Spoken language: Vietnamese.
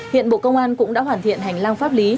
hiện bộ công an cũng đã hoàn thiện hành lang pháp lý